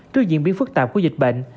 trước diễn biến phức tạp của dịch bệnh